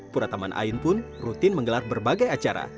pura taman ain pun rutin menggelar berbagai acara